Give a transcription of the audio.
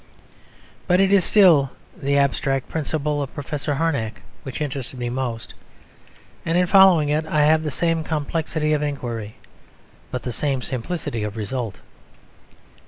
But it is still the abstract principle of Professor Harnack which interests me most; and in following it I have the same complexity of enquiry, but the same simplicity of result.